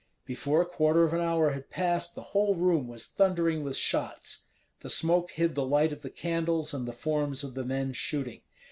Before a quarter of an hour had passed, the whole room was thundering with shots. The smoke hid the light of the candles and the forms of the men shooting.